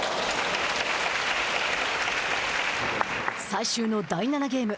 最終の第７ゲーム。